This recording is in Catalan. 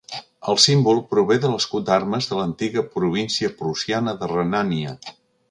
El símbol prové de l'escut d'armes de l'antiga província prussiana de Renània.